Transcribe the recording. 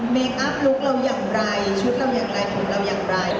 คอัพลุคเราอย่างไรชุดเราอย่างไรของเราอย่างไร